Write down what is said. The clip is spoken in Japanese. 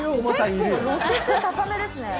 結構露出高めですね。